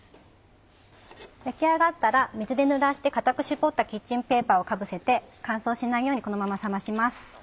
焼き上がったら水でぬらして固く絞ったキッチンペーパーをかぶせて乾燥しないようにこのまま冷まします。